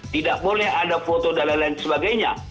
tidak boleh ada foto dan lain lain sebagainya